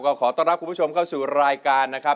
ก็ขอต้อนรับคุณผู้ชมเข้าสู่รายการนะครับ